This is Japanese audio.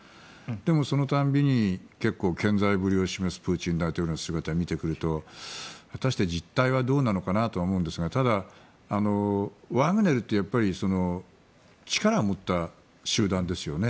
でも、その度に結構健在ぶりを示すプーチン大統領の姿を見てくると果たして実態はどうなのかなと思うんですがただ、ワグネルって力を持った集団ですよね。